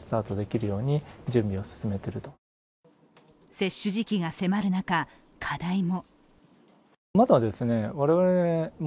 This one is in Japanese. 接種時期が迫る中、課題も。